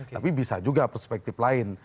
tapi bisa juga perspektif lain